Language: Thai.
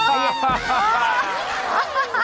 อินเยอร์